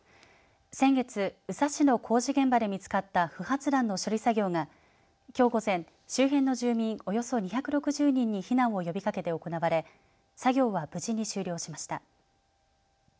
先月、宇佐市の工事現場で見つかった不発弾の処理作業がきょう午前、周辺の住民およそ２６０人に避難を呼びかけて行われ作業は無事に終了しました。